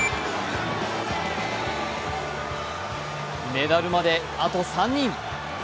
メダルまであと３人。